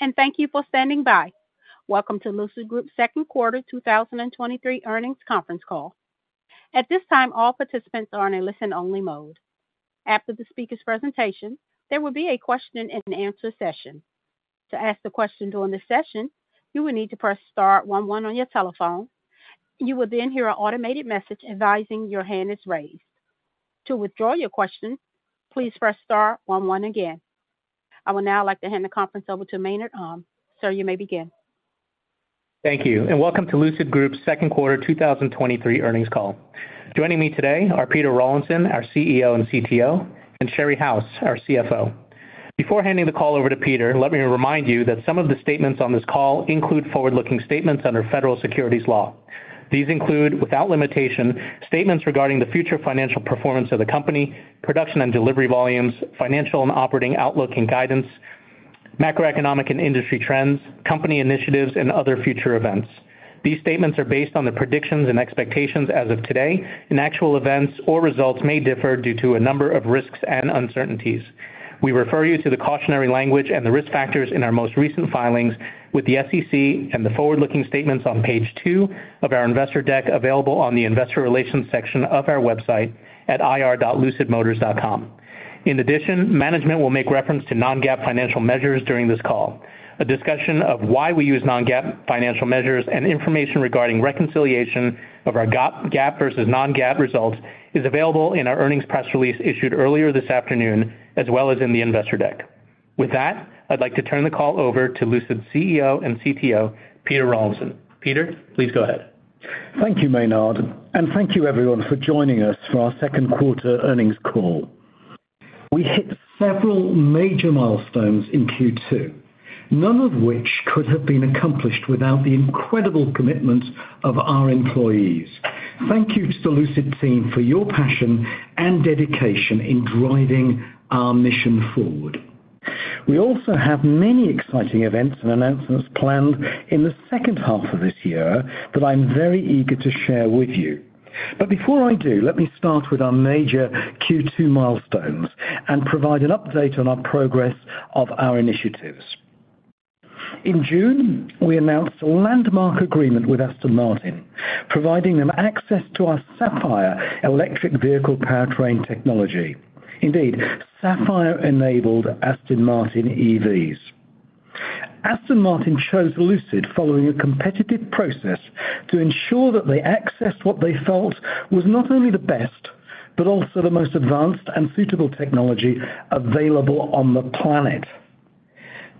Hello, and thank you for standing by. Welcome to Lucid Group's Q2 2023 earnings conference call. At this time, all participants are in a listen-only mode. After the speaker's presentation, there will be a question-and-answer session. To ask the question during the session, you will need to press star one one on your telephone. You will then hear an automated message advising your hand is raised. To withdraw your question, please press star one one again. I would now like to hand the conference over to Maynard Um. Sir, you may begin. Thank you. Welcome to Lucid Group's Q2 2023 earnings call. Joining me today are Peter Rawlinson, our CEO and CTO, and Sherry House, our CFO. Before handing the call over to Peter, let me remind you that some of the statements on this call include forward-looking statements under Federal Securities law. These include, without limitation, statements regarding the future financial performance of the company, production and delivery volumes, financial and operating outlook and guidance, macroeconomic and industry trends, company initiatives, and other future events. These statements are based on the predictions and expectations as of today, and actual events or results may differ due to a number of risks and uncertainties. We refer you to the cautionary language and the risk factors in our most recent filings with the SEC and the forward-looking statements on page 2 of our investor deck, available on the Investor Relations section of our website at ir.lucidmotors.com. In addition, management will make reference to non-GAAP financial measures during this call. A discussion of why we use non-GAAP financial measures and information regarding reconciliation of our GAAP, GAAP versus non-GAAP results is available in our earnings press release issued earlier this afternoon, as well as in the investor deck. With that, I'd like to turn the call over to Lucid's CEO and CTO, Peter Rawlinson. Peter, please go ahead. Thank you, Maynard, and thank you everyone for joining us for our Q2 earnings call. We hit several major milestones in Q2, none of which could have been accomplished without the incredible commitment of our employees. Thank you to the Lucid team for your passion and dedication in driving our mission forward. We also have many exciting events and announcements planned in the second half of this year that I'm very eager to share with you. Before I do, let me start with our major Q2 milestones and provide an update on our progress of our initiatives. In June, we announced a landmark agreement with Aston Martin, providing them access to our Sapphire electric vehicle powertrain technology. Indeed, Sapphire-enabled Aston Martin EVs. Aston Martin chose Lucid following a competitive process to ensure that they accessed what they felt was not only the best, but also the most advanced and suitable technology available on the planet.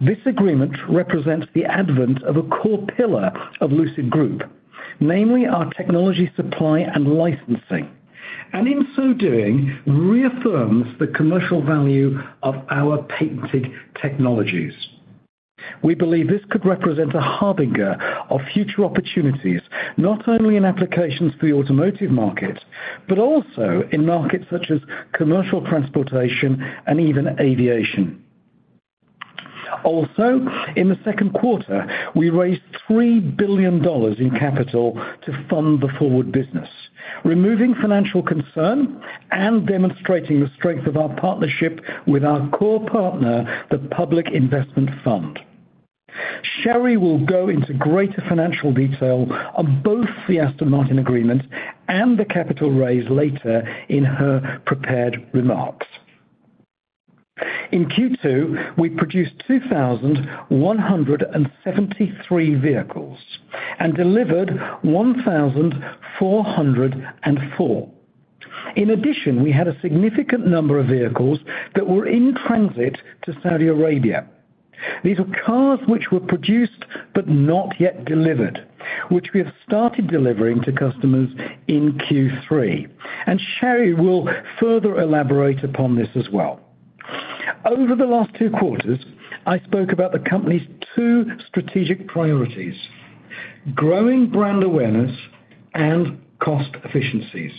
This agreement represents the advent of a core pillar of Lucid Group, namely our technology, supply, and licensing, and in so doing, reaffirms the commercial value of our patented technologies. We believe this could represent a harbinger of future opportunities, not only in applications for the automotive market, but also in markets such as commercial transportation and even aviation. In the Q2, we raised $3 billion in capital to fund the forward business, removing financial concern and demonstrating the strength of our partnership with our core partner, the Public Investment Fund. Sherry will go into greater financial detail on both the Aston Martin agreement and the capital raise later in her prepared remarks. In Q2, we produced 2,173 vehicles and delivered 1,404. In addition, we had a significant number of vehicles that were in transit to Saudi Arabia. These were cars which were produced but not yet delivered, which we have started delivering to customers in Q3. Sherry will further elaborate upon this as well. Over the last two quarters, I spoke about the company's two strategic priorities: growing brand awareness and cost efficiencies.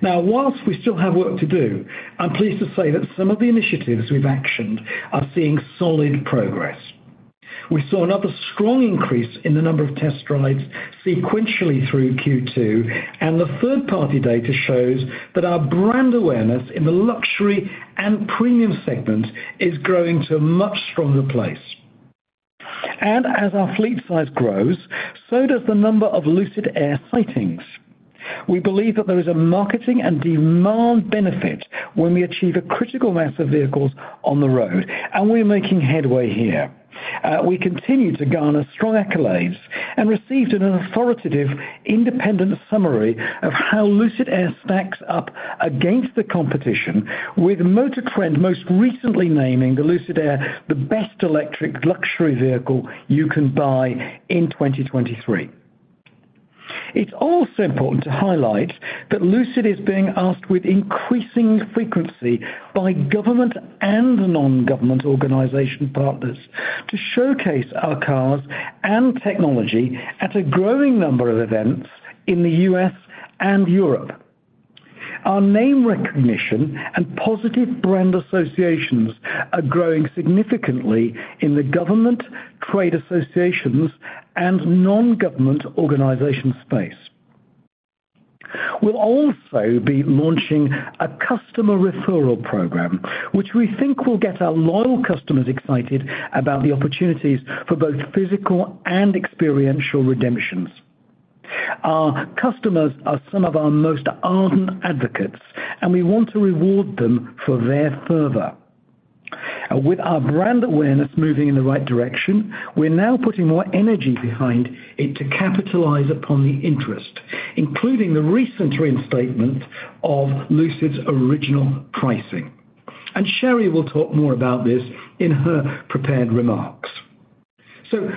While we still have work to do, I'm pleased to say that some of the initiatives we've actioned are seeing solid progress. We saw another strong increase in the number of test rides sequentially through Q2. The third-party data shows that our brand awareness in the luxury and premium segment is growing to a much stronger place. As our fleet size grows, so does the number of Lucid Air sightings. We believe that there is a marketing and demand benefit when we achieve a critical mass of vehicles on the road, and we are making headway here. We continue to garner strong accolades and received an authoritative, independent summary of how Lucid Air stacks up against the competition, with MotorTrend most recently naming the Lucid Air the best electric luxury vehicle you can buy in 2023. It's also important to highlight that Lucid is being asked with increasing frequency by government and non-government organization partners to showcase our cars and technology at a growing number of events in the U.S. and Europe. Our name recognition and positive brand associations are growing significantly in the government, trade associations, and non-government organization space. We'll also be launching a customer referral program, which we think will get our loyal customers excited about the opportunities for both physical and experiential redemptions. Our customers are some of our most ardent advocates, and we want to reward them for their fervor. With our brand awareness moving in the right direction, we're now putting more energy behind it to capitalize upon the interest, including the recent reinstatement of Lucid's original pricing. Sherry will talk more about this in her prepared remarks.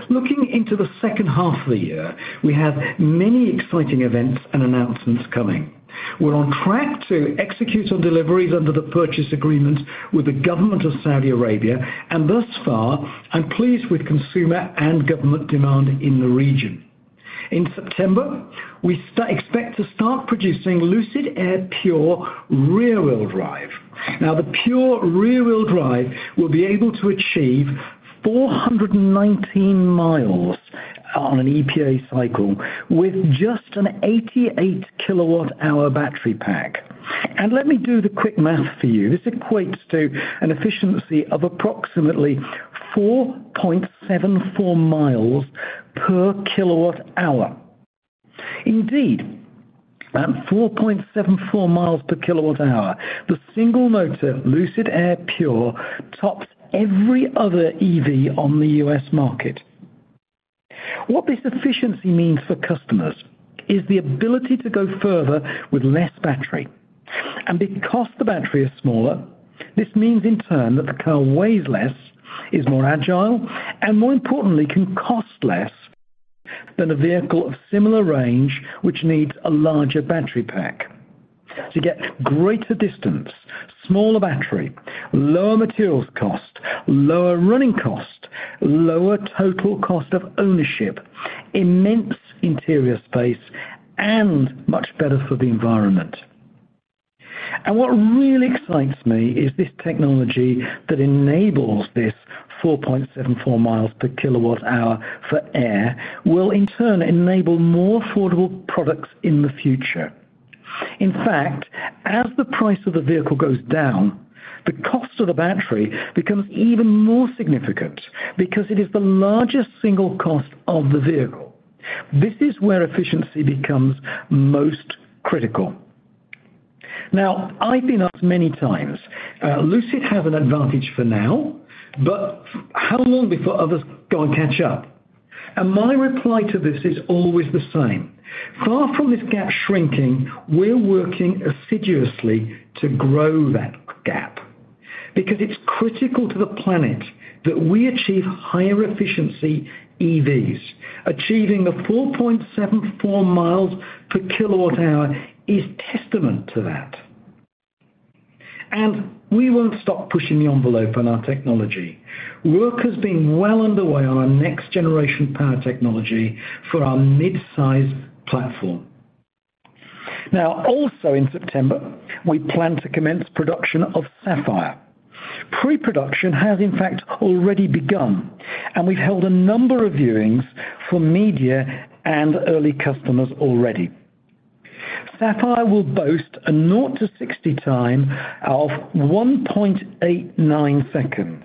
Looking into the second half of the year, we have many exciting events and announcements coming. We're on track to execute on deliveries under the purchase agreement with the government of Saudi Arabia, and thus far, I'm pleased with consumer and government demand in the region. In September, we expect to start producing Lucid Air Pure rear-wheel drive. Now, the Pure rear-wheel drive will be able to achieve 419 miles on an EPA cycle with just an 88 kilowatt hour battery pack. Let me do the quick math for you. This equates to an efficiency of approximately 4.74 miles per kilowatt hour. Indeed, at 4.74 miles per kilowatt hour, the single motor Lucid Air Pure tops every other EV on the U.S. market. What this efficiency means for customers is the ability to go further with less battery. Because the battery is smaller, this means, in turn, that the car weighs less, is more agile, and more importantly, can cost less than a vehicle of similar range, which needs a larger battery pack. To get greater distance, smaller battery, lower materials cost, lower running cost, lower total cost of ownership, immense interior space, and much better for the environment. What really excites me is this technology that enables this 4.74 miles per kilowatt hour for Air, will in turn enable more affordable products in the future. In fact, as the price of the vehicle goes down, the cost of the battery becomes even more significant because it is the largest single cost of the vehicle. This is where efficiency becomes most critical. Now, I've been asked many times, "Lucid have an advantage for now, but how long before others go and catch up?" My reply to this is always the same: Far from this gap shrinking, we're working assiduously to grow that gap, because it's critical to the planet that we achieve higher efficiency EVs. Achieving the 4.74 miles per kilowatt hour is testament to that. We won't stop pushing the envelope on our technology. Work has been well underway on our next-generation power technology for our mid-size platform. Also in September, we plan to commence production of Sapphire. Pre-production has, in fact, already begun, and we've held a number of viewings for media and early customers already. Sapphire will boast a 0 to 60 time of 1.89 seconds,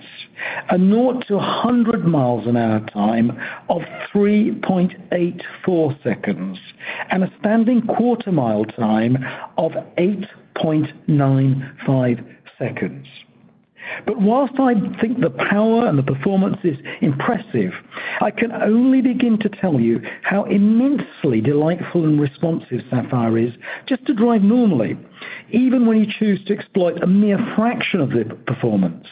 a 0 to 100 miles an hour time of 3.84 seconds, and a standing quarter-mile time of 8.95 seconds. Whilst I think the power and the performance is impressive, I can only begin to tell you how immensely delightful and responsive Sapphire is just to drive normally, even when you choose to exploit a mere fraction of the performance.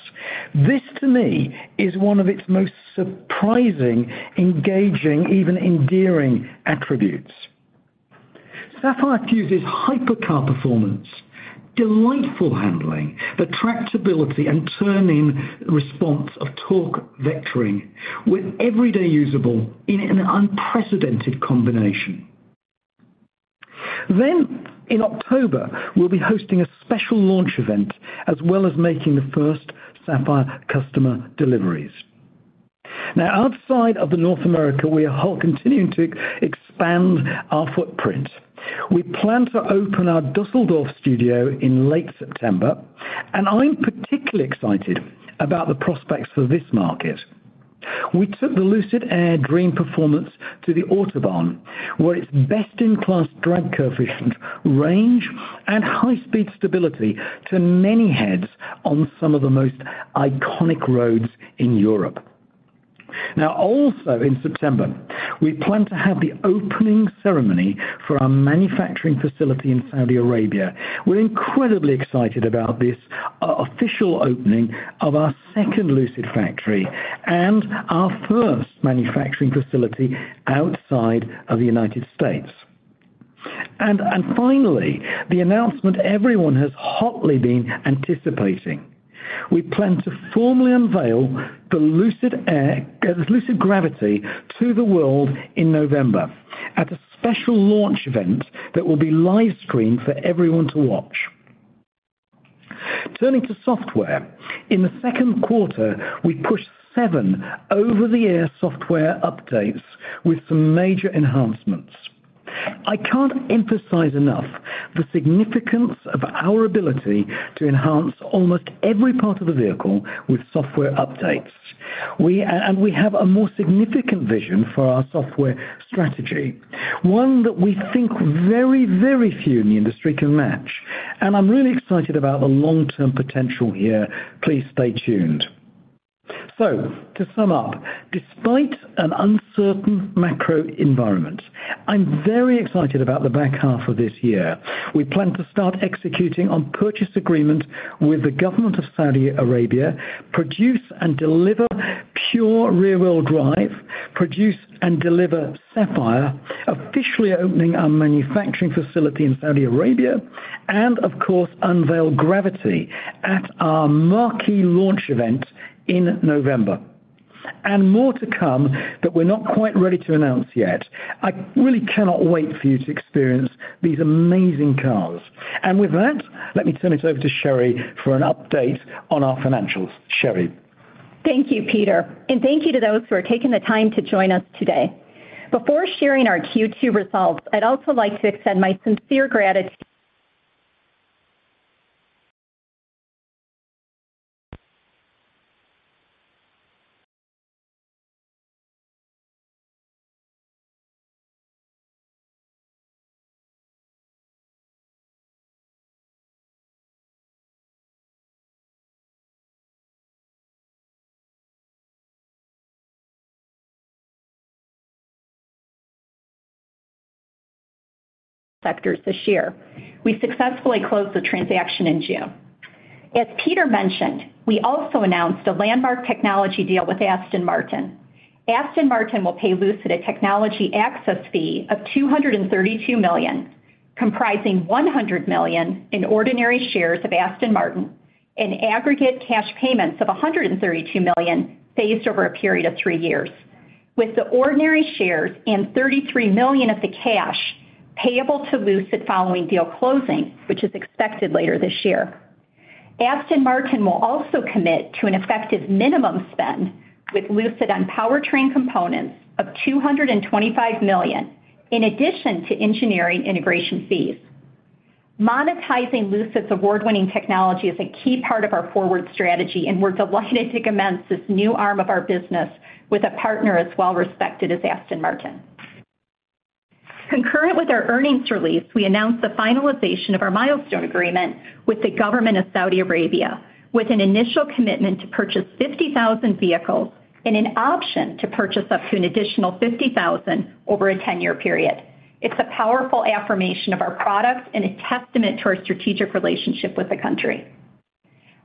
This, to me, is one of its most surprising, engaging, even endearing attributes. Sapphire fuses hypercar performance, delightful handling, the tractability and turning response of torque vectoring, with everyday usable in an unprecedented combination. In October, we'll be hosting a special launch event, as well as making the first Sapphire customer deliveries. Outside of North America, we are continuing to expand our footprint. We plan to open our Dusseldorf studio in late September, and I'm particularly excited about the prospects for this market. We took the Lucid Air Dream performance to the Autobahn, where its best-in-class drag coefficient, range, and high-speed stability turned many heads on some of the most iconic roads in Europe. Also in September, we plan to have the opening ceremony for our manufacturing facility in Saudi Arabia. We're incredibly excited about this official opening of our second Lucid factory and our first manufacturing facility outside of the United States. Finally, the announcement everyone has hotly been anticipating. We plan to formally unveil the Lucid Air Lucid Gravity to the world in November at a special launch event that will be live-streamed for everyone to watch. Turning to software, in the Q2, we pushed 7 over-the-air software updates with some major enhancements. I can't emphasize enough the significance of our ability to enhance almost every part of the vehicle with software updates. We have a more significant vision for our software strategy, one that we think very, very few in the industry can match, and I'm really excited about the long-term potential here. Please stay tuned. To sum up, despite an uncertain macro environment, I'm very excited about the back half of this year. We plan to start executing on purchase agreement with the government of Saudi Arabia, produce and deliver Pure rear-wheel drive, produce and deliver Sapphire, officially opening our manufacturing facility in Saudi Arabia, and of course, unveil Gravity at our marquee launch event in November. More to come that we're not quite ready to announce yet. I really cannot wait for you to experience these amazing cars. With that, let me turn it over to Sherry for an update on our financials. Sherry? Thank you, Peter, and thank you to those who are taking the time to join us today. Before sharing our Q2 results, I'd also like to extend my sincere gratitude - sectors this year. We successfully closed the transaction in June. As Peter mentioned, we also announced a landmark technology deal with Aston Martin. Aston Martin will pay Lucid a technology access fee of $232 million, comprising $100 million in ordinary shares of Aston Martin and aggregate cash payments of $132 million, phased over a period of three years, with the ordinary shares and $33 million of the cash payable to Lucid following deal closing, which is expected later this year. Aston Martin will also commit to an effective minimum spend with Lucid on powertrain components of $225 million, in addition to engineering integration fees. Monetizing Lucid's award-winning technology is a key part of our forward strategy, and we're delighted to commence this new arm of our business with a partner as well respected as Aston Martin. Concurrent with our earnings release, we announced the finalization of our milestone agreement with the government of Saudi Arabia, with an initial commitment to purchase 50,000 vehicles and an option to purchase up to an additional 50,000 over a 10-year period. It's a powerful affirmation of our products and a testament to our strategic relationship with the country.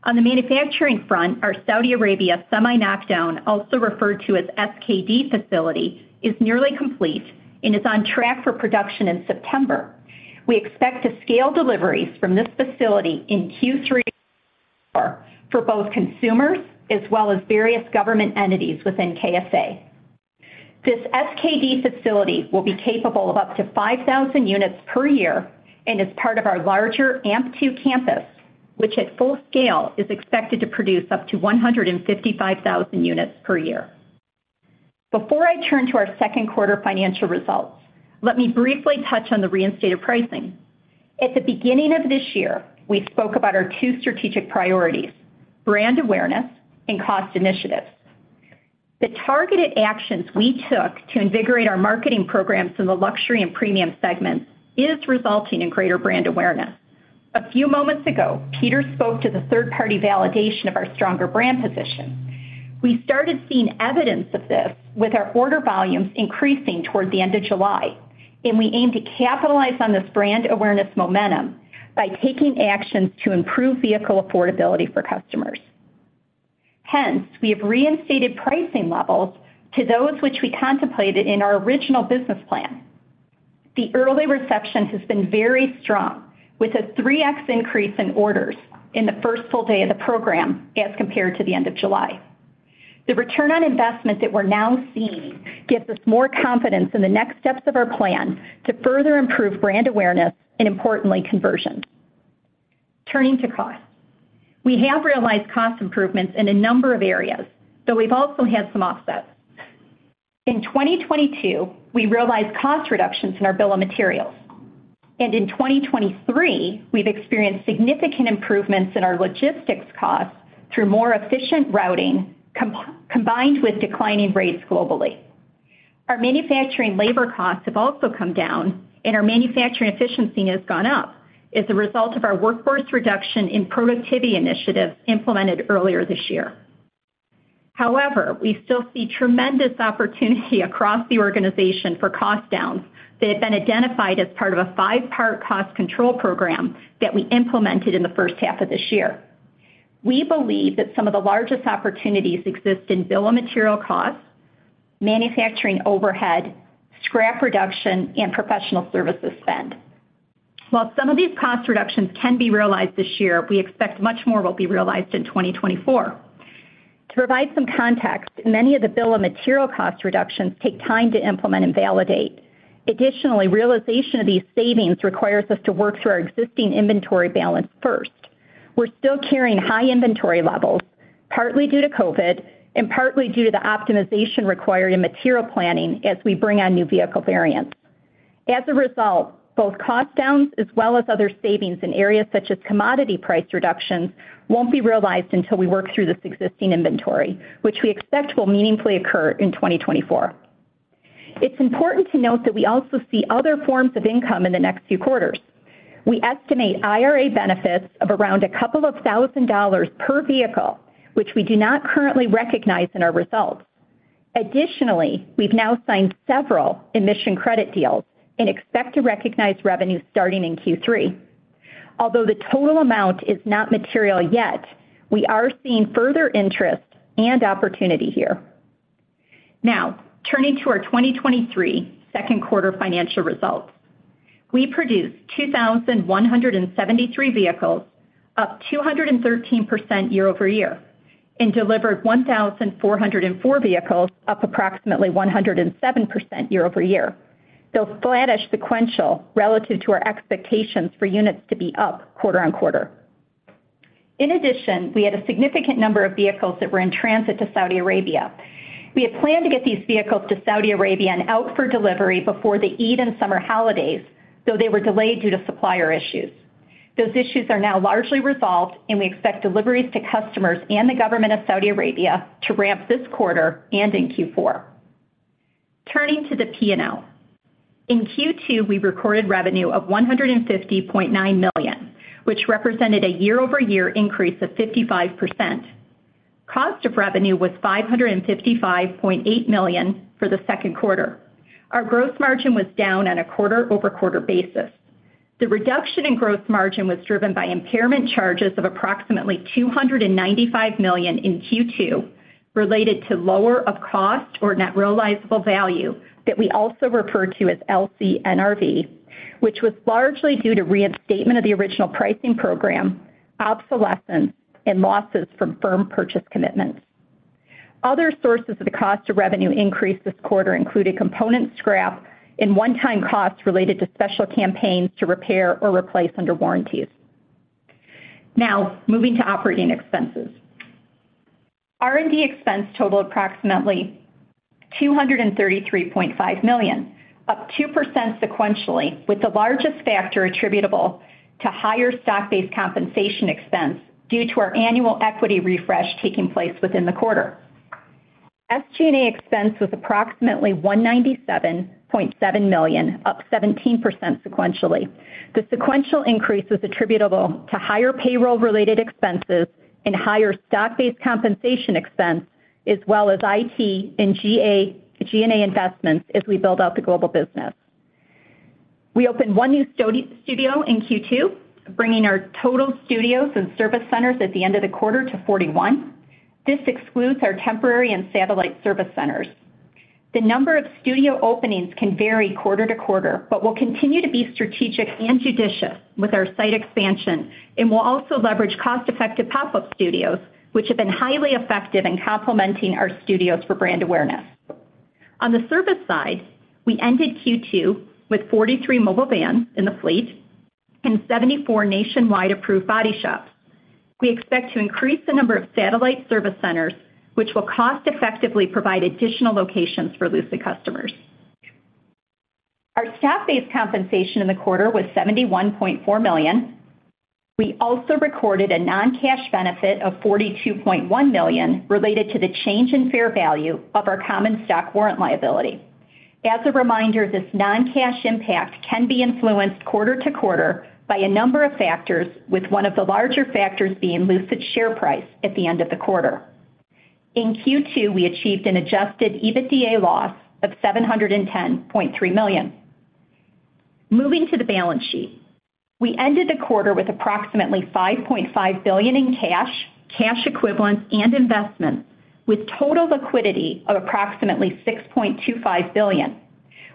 On the manufacturing front, our Saudi Arabia semi-knockdown, also referred to as SKD facility, is nearly complete and is on track for production in September. We expect to scale deliveries from this facility in Q3 for both consumers as well as various government entities within KSA. This SKD facility will be capable of up to 5,000 units per year and is part of our larger AMP2 campus, which at full scale, is expected to produce up to 155,000 units per year. Before I turn to our Q2 financial results, let me briefly touch on the reinstated pricing. At the beginning of this year, we spoke about our two strategic priorities: brand awareness and cost initiatives. The targeted actions we took to invigorate our marketing programs in the luxury and premium segments is resulting in greater brand awareness. A few moments ago, Peter spoke to the third-party validation of our stronger brand position. We started seeing evidence of this with our order volumes increasing towards the end of July, and we aim to capitalize on this brand awareness momentum by taking actions to improve vehicle affordability for customers. Hence, we have reinstated pricing levels to those which we contemplated in our original business plan. The early reception has been very strong, with a 3x increase in orders in the first full day of the program as compared to the end of July. The return on investment that we're now seeing gives us more confidence in the next steps of our plan to further improve brand awareness and importantly, conversion. Turning to costs. We have realized cost improvements in a number of areas, though we've also had some offsets. In 2022, we realized cost reductions in our Bill of Materials, and in 2023, we've experienced significant improvements in our logistics costs through more efficient routing, combined with declining rates globally. Our manufacturing labor costs have also come down, and our manufacturing efficiency has gone up as a result of our workforce reduction in productivity initiatives implemented earlier this year. However, we still see tremendous opportunity across the organization for cost downs that have been identified as part of a 5-part cost control program that we implemented in the first half of this year. We believe that some of the largest opportunities exist in bill of material costs, manufacturing overhead, scrap reduction, and professional services spend. While some of these cost reductions can be realized this year, we expect much more will be realized in 2024. To provide some context, many of the bill of material cost reductions take time to implement and validate. Additionally, realization of these savings requires us to work through our existing inventory balance first. We're still carrying high inventory levels, partly due to COVID, and partly due to the optimization required in material planning as we bring on new vehicle variants. As a result, both cost downs as well as other savings in areas such as commodity price reductions, won't be realized until we work through this existing inventory, which we expect will meaningfully occur in 2024. It's important to note that we also see other forms of income in the next few quarters. We estimate IRA benefits of around $2,000 per vehicle, which we do not currently recognize in our results. Additionally, we've now signed several emission credit deals and expect to recognize revenue starting in Q3. Although the total amount is not material yet, we are seeing further interest and opportunity here. Turning to our 2023 Q2 financial results. We produced 2,173 vehicles, up 213% year-over-year, and delivered 1,404 vehicles, up approximately 107% year-over-year, though flattish sequential relative to our expectations for units to be up quarter-on-quarter. In addition, we had a significant number of vehicles that were in transit to Saudi Arabia. We had planned to get these vehicles to Saudi Arabia and out for delivery before the Eid and summer holidays, though they were delayed due to supplier issues. Those issues are now largely resolved, and we expect deliveries to customers and the government of Saudi Arabia to ramp this quarter and in Q4. Turning to the P&L. In Q2, we recorded revenue of $150.9 million, which represented a year-over-year increase of 55%. Cost of revenue was $555.8 million for the Q2. Our gross margin was down on a quarter-over-quarter basis. The reduction in gross margin was driven by impairment charges of approximately $295 million in Q2, related to lower of cost or net realizable value, that we also refer to as LCNRV, which was largely due to reinstatement of the original pricing program, obsolescence, and losses from firm purchase commitments. Other sources of the cost of revenue increase this quarter included component scrap and one-time costs related to special campaigns to repair or replace under warranties. Now, moving to operating expenses. R&D expense totaled approximately $233.5 million, up 2% sequentially, with the largest factor attributable to higher stock-based compensation expense due to our annual equity refresh taking place within the quarter. SG&A expense was approximately $197.7 million, up 17% sequentially. The sequential increase was attributable to higher payroll-related expenses and higher stock-based compensation expense, as well as IT and G&A investments as we build out the global business. We opened one new studio in Q2, bringing our total studios and service centers at the end of the quarter to 41. This excludes our temporary and satellite service centers. The number of studio openings can vary quarter to quarter, we'll continue to be strategic and judicious with our site expansion, and we'll also leverage cost-effective pop-up studios, which have been highly effective in complementing our studios for brand awareness. On the service side, we ended Q2 with 43 mobile vans in the fleet and 74 nationwide approved body shops. We expect to increase the number of satellite service centers, which will cost-effectively provide additional locations for Lucid customers. Our stock-based compensation in the quarter was $71.4 million. We also recorded a non-cash benefit of $42.1 million, related to the change in fair value of our common stock warrant liability. As a reminder, this non-cash impact can be influenced quarter to quarter by a number of factors, with one of the larger factors being Lucid's share price at the end of the quarter. In Q2, we achieved an Adjusted EBITDA loss of $710.3 million. Moving to the balance sheet. We ended the quarter with approximately $5.5 billion in cash, cash equivalents, and investments, with total liquidity of approximately $6.25 billion.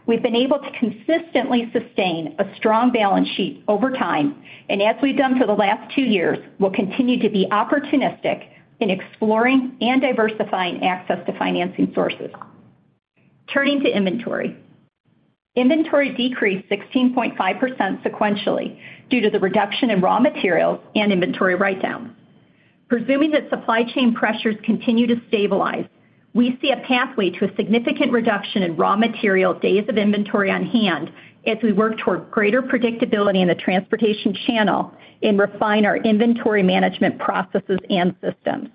We've been able to consistently sustain a strong balance sheet over time. As we've done for the last 2 years, we'll continue to be opportunistic in exploring and diversifying access to financing sources. Turning to inventory. Inventory decreased 16.5% sequentially due to the reduction in raw materials and inventory write-down. Presuming that supply chain pressures continue to stabilize, we see a pathway to a significant reduction in raw material days of inventory on hand as we work toward greater predictability in the transportation channel and refine our inventory management processes and systems.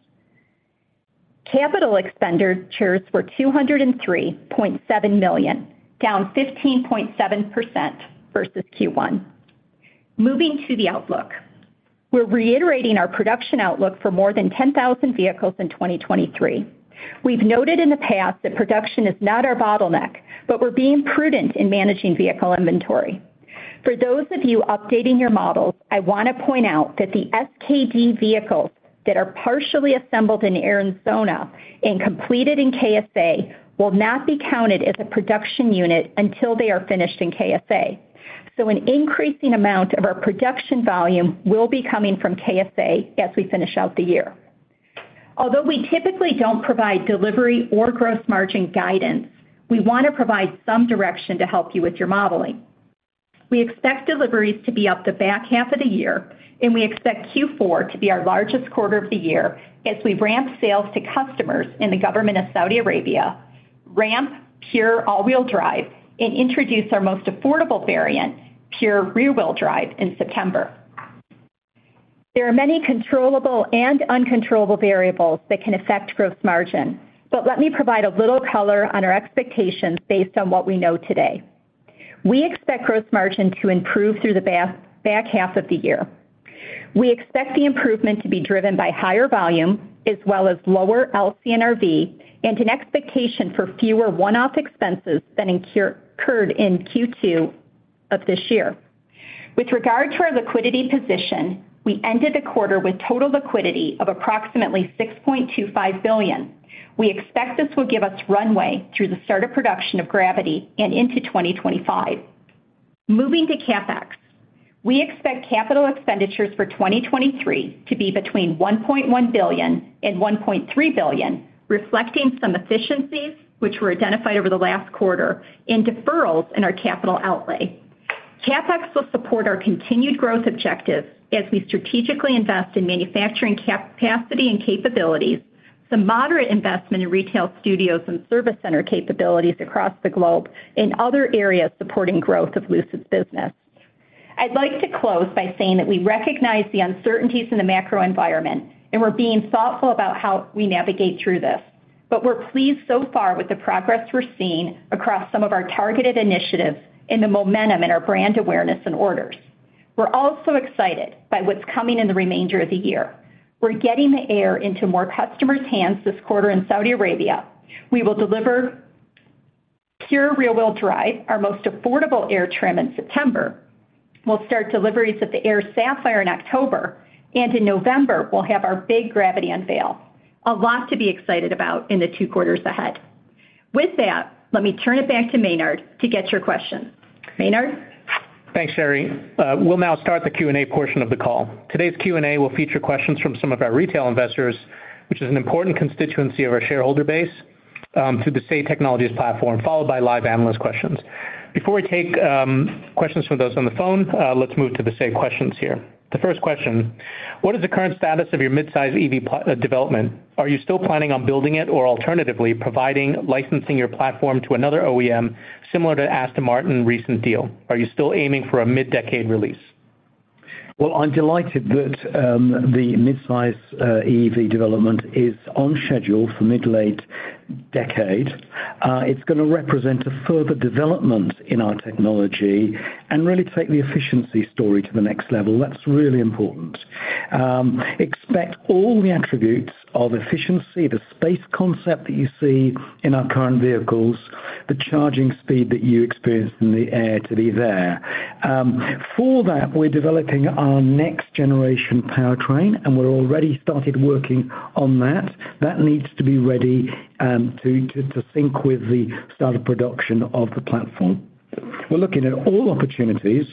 Capital expenditures were $203.7 million, down 15.7% versus Q1. Moving to the outlook. We're reiterating our production outlook for more than 10,000 vehicles in 2023. We've noted in the past that production is not our bottleneck, but we're being prudent in managing vehicle inventory. For those of you updating your models, I want to point out that the SKD vehicles that are partially assembled in Arizona and completed in KSA will not be counted as a production unit until they are finished in KSA. An increasing amount of our production volume will be coming from KSA as we finish out the year. Although we typically don't provide delivery or gross margin guidance, we wanna provide some direction to help you with your modeling. We expect deliveries to be up the back half of the year, and we expect Q4 to be our largest quarter of the year as we ramp sales to customers in the government of Saudi Arabia, ramp Pure all-wheel drive, and introduce our most affordable variant, Pure rear-wheel drive, in September. There are many controllable and uncontrollable variables that can affect gross margin. Let me provide a little color on our expectations based on what we know today. We expect gross margin to improve through the back half of the year. We expect the improvement to be driven by higher volume, as well as lower LCNRV, and an expectation for fewer one-off expenses than occurred in Q2 of this year. With regard to our liquidity position, we ended the quarter with total liquidity of approximately $6.25 billion. We expect this will give us runway through the start of production of Gravity and into 2025. Moving to CapEx, we expect capital expenditures for 2023 to be between $1.1 billion-$1.3 billion, reflecting some efficiencies which were identified over the last quarter, and deferrals in our capital outlay. CapEx will support our continued growth objectives as we strategically invest in manufacturing capacity and capabilities, some moderate investment in retail studios and service center capabilities across the globe, and other areas supporting growth of Lucid's business. I'd like to close by saying that we recognize the uncertainties in the macro environment, and we're being thoughtful about how we navigate through this. We're pleased so far with the progress we're seeing across some of our targeted initiatives and the momentum in our brand awareness and orders. We're also excited by what's coming in the remainder of the year. We're getting the Air into more customers' hands this quarter in Saudi Arabia. We will deliver Pure rear-wheel drive, our most affordable Air trim, in September. We'll start deliveries of the Air Sapphire in October, and in November, we'll have our big Gravity unveil. A lot to be excited about in the two quarters ahead. With that, let me turn it back to Maynard to get your questions. Maynard? Thanks, Sherry. We'll now start the Q&A portion of the call. Today's Q&A will feature questions from some of our retail investors, which is an important constituency of our shareholder base, through the Say Technologies platform, followed by live analyst questions. Before we take questions from those on the phone, let's move to the Say questions here. The first question: What is the current status of your mid-size EV development? Are you still planning on building it, or alternatively, providing licensing your platform to another OEM, similar to Aston Martin recent deal? Are you still aiming for a mid-decade release? Well, I'm delighted that the mid-size EV development is on schedule for mid-to-late decade. It's gonna represent a further development in our technology and really take the efficiency story to the next level. That's really important. Expect all the attributes of efficiency, the space concept that you see in our current vehicles, the charging speed that you experienced in the Air to be there. For that, we're developing our next-generation powertrain, and we're already started working on that. That needs to be ready to sync with the start of production of the platform. We're looking at all opportunities.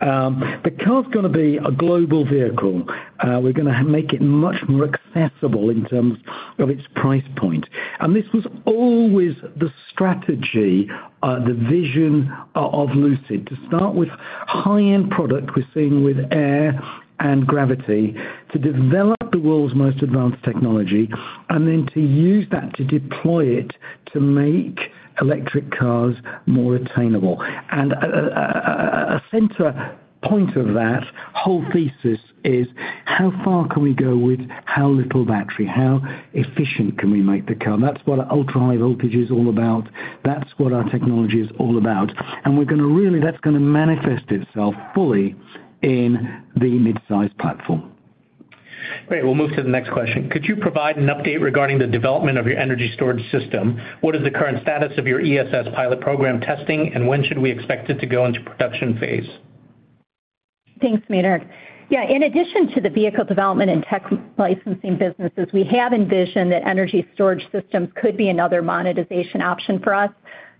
The car's gonna be a global vehicle. We're gonna make it much more accessible in terms of its price point. This was always the strategy, the vision of Lucid, to start with high-end product we're seeing with Air and Gravity, to develop the world's most advanced technology, and then to use that, to deploy it, to make electric cars more attainable. A center point of that whole thesis is: How far can we go with how little battery? How efficient can we make the car? That's what ultra-high voltage is all about, that's what our technology is all about. That's gonna manifest itself fully in the mid-size platform. Great. We'll move to the next question: Could you provide an update regarding the development of your energy storage system? What is the current status of your ESS pilot program testing, and when should we expect it to go into production phase? Thanks, Maynard. Yeah, in addition to the vehicle development and tech licensing businesses, we have envisioned that energy storage systems could be another monetization option for us.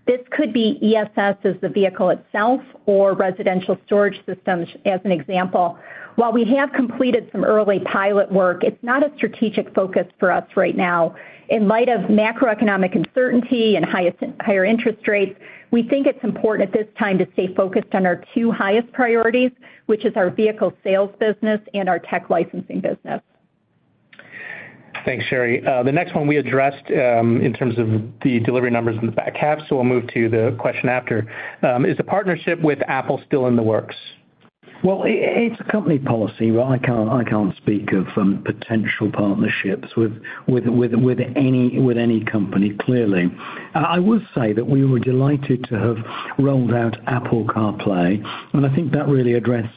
This could be ESS as the vehicle itself or residential storage systems, as an example. While we have completed some early pilot work, it's not a strategic focus for us right now. In light of macroeconomic uncertainty and higher interest rates, we think it's important at this time to stay focused on our two highest priorities, which is our vehicle sales business and our tech licensing business. Thanks, Sherry. The next one we addressed, in terms of the delivery numbers in the back half, so we'll move to the question after. Is the partnership with Apple still in the works? It, it's a company policy, where I can't, I can't speak of potential partnerships with, with, with, with any, with any company, clearly. I would say that we were delighted to have rolled out Apple CarPlay, and I think that really addressed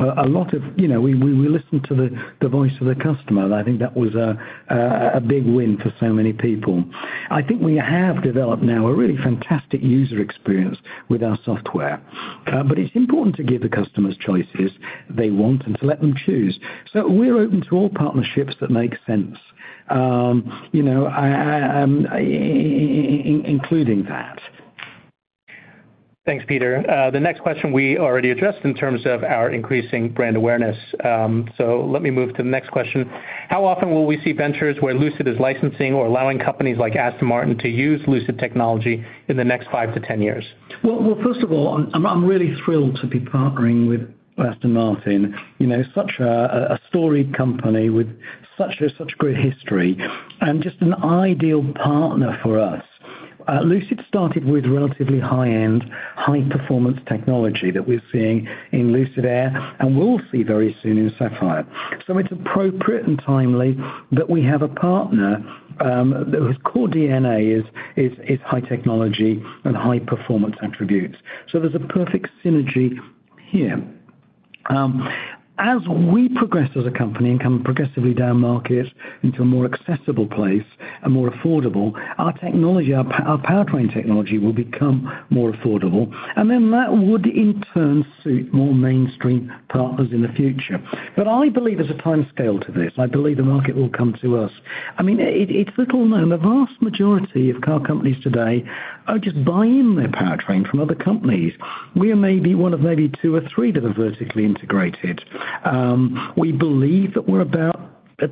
a, a lot of... You know, we, we, we listened to the, the voice of the customer, and I think that was a, a, a big win for so many people. I think we have developed now a really fantastic user experience with our software, but it's important to give the customers choices they want and to let them choose. We're open to all partnerships that make sense.... you know, I, I, I'm including that. Thanks, Peter. The next question we already addressed in terms of our increasing brand awareness. Let me move to the next question. How often will we see ventures where Lucid is licensing or allowing companies like Aston Martin to use Lucid technology in the next five to ten years? Well, first of all, I'm really thrilled to be partnering with Aston Martin, you know, such a storied company with such a great history and just an ideal partner for us. Lucid started with relatively high-end, high-performance technology that we're seeing in Lucid Air, and we'll see very soon in Sapphire. It's appropriate and timely that we have a partner whose core DNA is high technology and high-performance attributes. There's a perfect synergy here. As we progress as a company and come progressively down market into a more accessible place and more affordable, our technology, our powertrain technology will become more affordable, and then that would, in turn, suit more mainstream partners in the future. I believe there's a timescale to this. I believe the market will come to us. I mean, it, it's little known, the vast majority of car companies today are just buying their powertrain from other companies. We are maybe one of maybe two or three that are vertically integrated. We believe that we're about at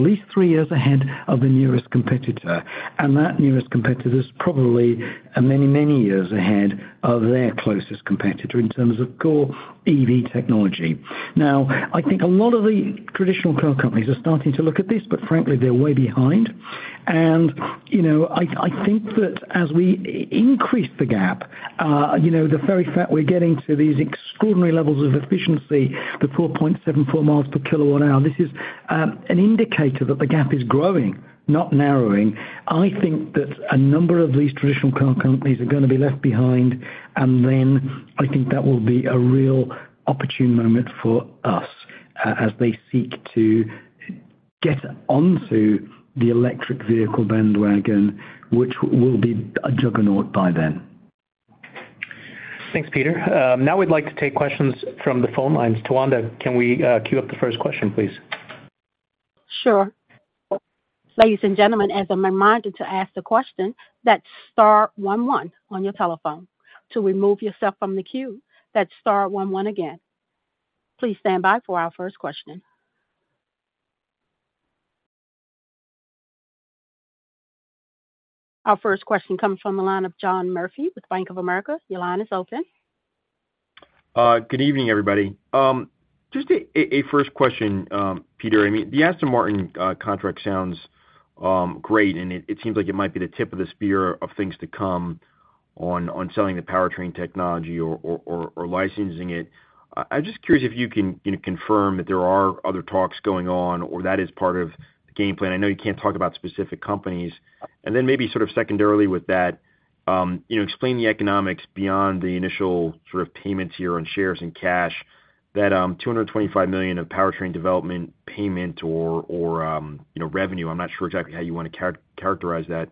least three years ahead of the nearest competitor, and that nearest competitor is probably many, many years ahead of their closest competitor in terms of core EV technology. Now, I think a lot of the traditional car companies are starting to look at this, but frankly, they're way behind. You know, I, I think that as we increase the gap, you know, the very fact we're getting to these extraordinary levels of efficiency, the 4.74 miles per kilowatt hour, this is an indicator that the gap is growing, not narrowing. I think that a number of these traditional car companies are gonna be left behind, and then I think that will be a real opportune moment for us as they seek to get onto the electric vehicle bandwagon, which we'll be a juggernaut by then. Thanks, Peter. Now we'd like to take questions from the phone lines. Tawanda, can we queue up the first question, please? Sure. Ladies and gentlemen, as a reminder to ask the question, that's star one one on your telephone. To remove yourself from the queue, that's star one one again. Please stand by for our first question. Our first question comes from the line of John Murphy with Bank of America. Your line is open. Good evening, everybody. Just a first question, Peter. I mean, the Aston Martin contract sounds great, and it seems like it might be the tip of the spear of things to come on selling the powertrain technology or licensing it. I'm just curious if you can, you know, confirm that there are other talks going on or that is part of the game plan. I know you can't talk about specific companies. Then maybe sort of secondarily with that, you know, explain the economics beyond the initial sort of payments here on shares and cash, that $225 million of powertrain development payment or, you know, revenue. I'm not sure exactly how you want to characterize that.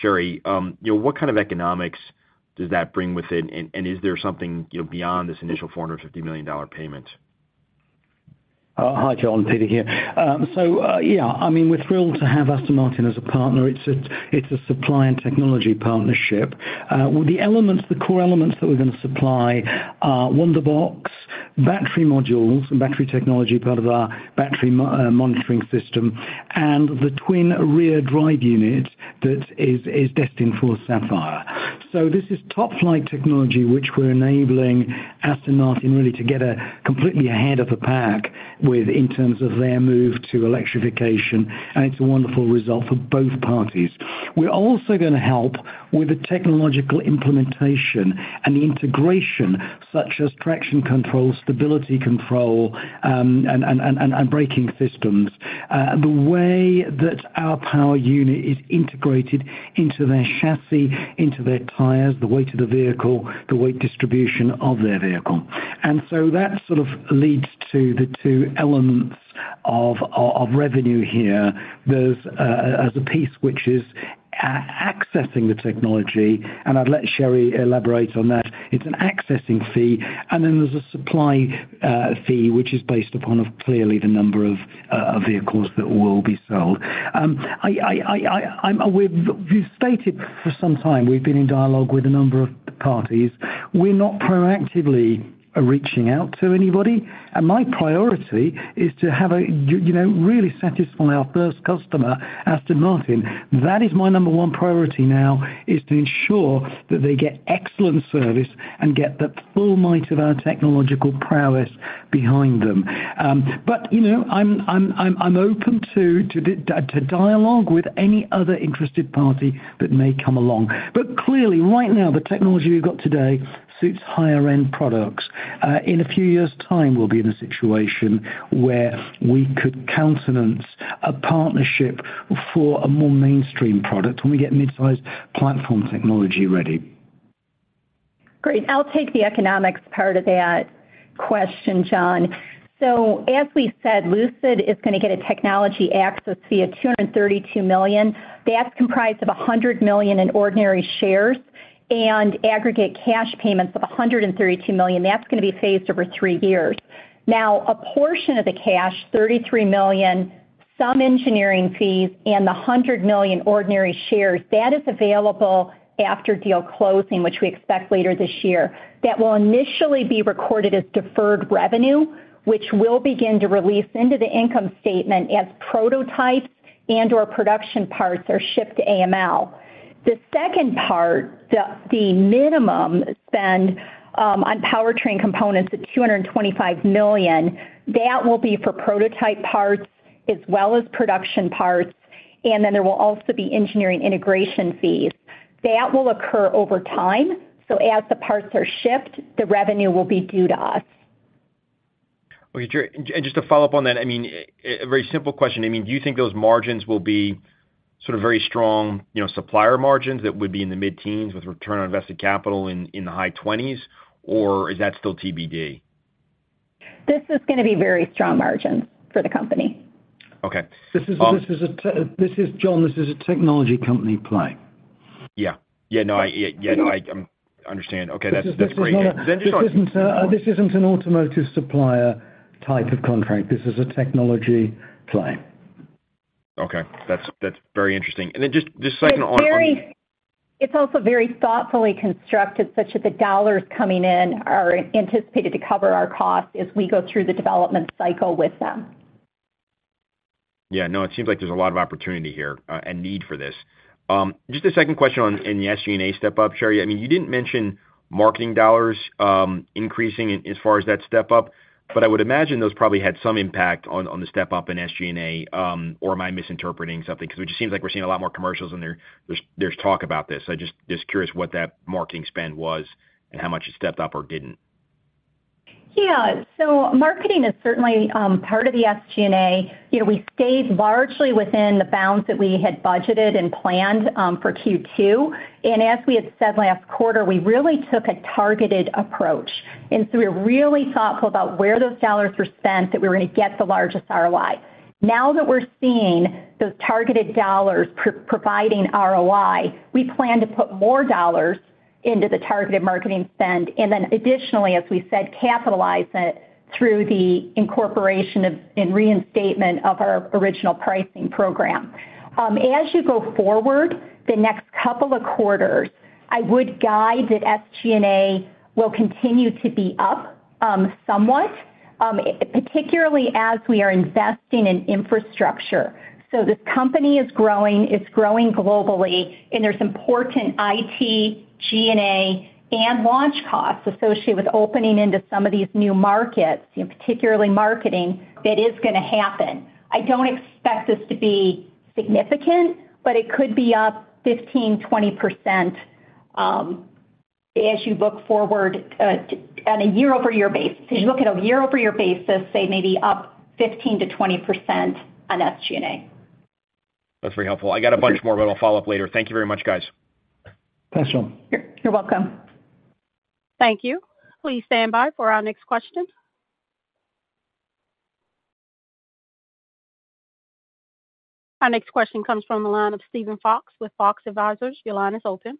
Sherry, you know, what kind of economics does that bring with it? Is there something, you know, beyond this initial $450 million payment? Hi, John, Peter here. Yeah, I mean, we're thrilled to have Aston Martin as a partner. It's a, it's a supply and technology partnership. Well, the elements, the core elements that we're gonna supply are Wunderbox battery modules and battery technology, part of our battery monitoring system, and the twin rear drive unit that is, is destined for Sapphire. This is top-flight technology, which we're enabling Aston Martin really to get a completely ahead of the pack with in terms of their move to electrification, and it's a wonderful result for both parties. We're also gonna help with the technological implementation and the integration, such as traction control, stability control, and braking systems. The way that our power unit is integrated into their chassis, into their tires, the weight of the vehicle, the weight distribution of their vehicle. That sort of leads to the two elements of, of revenue here. There's a piece which is accessing the technology, and I'd let Sherry elaborate on that. It's an accessing fee, and then there's a supply fee, which is based upon clearly the number of vehicles that will be sold. I'm, we've stated for some time we've been in dialogue with a number of parties. We're not proactively reaching out to anybody, and my priority is to have a, you know, really satisfy our first customer, Aston Martin. That is my number one priority now, is to ensure that they get excellent service and get the full might of our technological prowess behind them. you know, I'm, I'm, I'm, I'm open to, to the, to dialogue with any other interested party that may come along. Clearly, right now, the technology we've got today suits higher-end products. in a few years' time, we'll be in a situation where we could countenance a partnership for a more mainstream product when we get mid-sized platform technology ready. Great. I'll take the economics part of that question, John. As we said, Lucid is gonna get a technology access fee of $232 million. That's comprised of $100 million in ordinary shares. and aggregate cash payments of $132 million, that's gonna be phased over 3 years. A portion of the cash, $33 million, some engineering fees, and the $100 million ordinary shares, that is available after deal closing, which we expect later this year. That will initially be recorded as deferred revenue, which will begin to release into the income statement as prototypes and/or production parts are shipped to AML. The second part, the minimum spend on powertrain components of $225 million, that will be for prototype parts as well as production parts, and then there will also be engineering integration fees. That will occur over time, so as the parts are shipped, the revenue will be due to us. Okay, just to follow up on that, I mean, a very simple question. I mean, do you think those margins will be sort of very strong, you know, supplier margins that would be in the mid-teens with return on invested capital in the high twenties, or is that still TBD? This is gonna be very strong margins for the company. Okay. This is a John, this is a technology company play. Yeah. Yeah, no, I, yeah, yeah, I, understand. Okay, that's, that's great. This isn't, this isn't an automotive supplier type of contract. This is a technology play. Okay. That's, that's very interesting. Then just second on- It's also very thoughtfully constructed, such that the dollars coming in are anticipated to cover our costs as we go through the development cycle with them. Yeah, no, it seems like there's a lot of opportunity here, and need for this. Just a second question on, in the SG&A step up, Sherry. I mean, you didn't mention marketing dollars, increasing as far as that step up, but I would imagine those probably had some impact on, on the step up in SG&A, or am I misinterpreting something? 'Cause it just seems like we're seeing a lot more commercials, and there, there's, there's talk about this. I just, just curious what that marketing spend was and how much it stepped up or didn't. Yeah, marketing is certainly part of the SG&A. You know, we stayed largely within the bounds that we had budgeted and planned for Q2. As we had said last quarter, we really took a targeted approach. We were really thoughtful about where those dollars were spent, that we were gonna get the largest ROI. Now that we're seeing those targeted dollars providing ROI, we plan to put more dollars into the targeted marketing spend, and then additionally, as we said, capitalize it through the incorporation of, and reinstatement of our original pricing program. As you go forward, the next couple of quarters, I would guide that SG&A will continue to be up somewhat, particularly as we are investing in infrastructure. This company is growing, it's growing globally, and there's important IT, G&A, and launch costs associated with opening into some of these new markets, and particularly marketing, that is gonna happen. I don't expect this to be significant, but it could be up 15%-20% as you look forward on a year-over-year basis. As you look at a year-over-year basis, say, maybe up 15%-20% on SG&A. That's very helpful. I got a bunch more, but I'll follow up later. Thank you very much, guys. Thanks, John. You're welcome. Thank you. Please stand by for our next question. Our next question comes from the line of Steven Fox with Fox Advisors. Your line is open.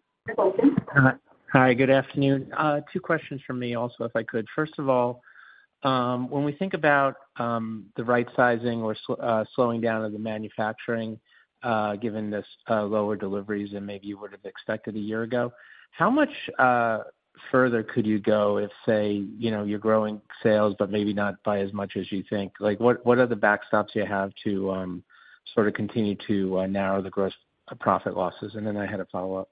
Hi, good afternoon. 2 questions from me also, if I could. First of all, when we think about the right sizing or slowing down of the manufacturing, given this lower deliveries than maybe you would have expected 1 year ago, how much further could you go if, say, you know, you're growing sales, but maybe not by as much as you think? Like, what, what are the backstops you have to sort of continue to narrow the gross profit losses? I had a follow-up.